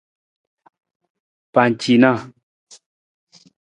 Pacinaa.